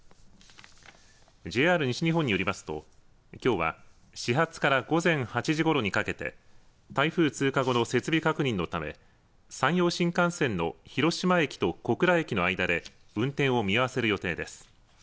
ＪＲ西日本によりますときょうは始発から午前８時ごろにかけて、台風通過後の設備確認のため山陽新幹線の広島駅と小倉駅の間で運転を見合わせる予定です。